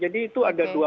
jadi itu ada dua